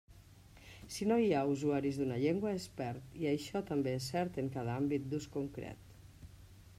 Si no hi ha usuaris d'una llengua, es perd, i això també és cert en cada àmbit d'ús concret.